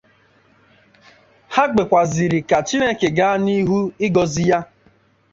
Ha kpekwazịrị ka Chineke gaa n'ihu ịgọzị ya